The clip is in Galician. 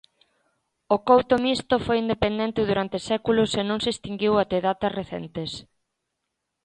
O Couto Misto foi independente durante séculos e non se extinguíu até datas recentes.